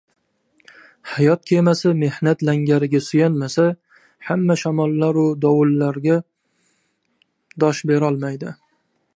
Hayot kemasi mehnat langariga suyanmasa, hamma shamollaru dovullarga dosh berolmaydi.